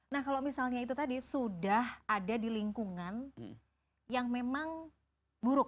nah kalau misalnya itu tadi sudah ada di lingkungan yang memang buruk